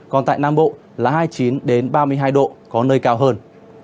còn tại nam bộ là hai mươi chín ba mươi hai độ có nơi cao hơn